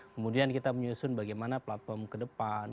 kemudian kita menyusun bagaimana platform ke depan